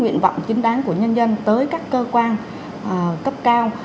nguyện vọng chính đáng của nhân dân tới các cơ quan cấp cao